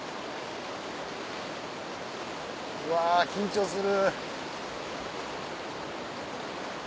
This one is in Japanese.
うわ緊張する。